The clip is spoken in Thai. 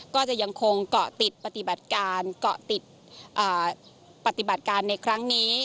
ก็จะยังคงเกาะติดปฏิบัติการเกาะติดปฏิบัติการในครั้งนี้